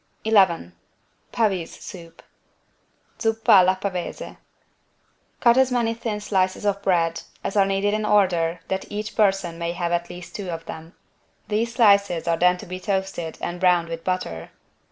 11 PAVESE SOUP (Zuppa alla Pavese) Cut as many thin slices of bread as are needed in order that each person may have at least two of them. These slices are then to be toasted and browned with butter.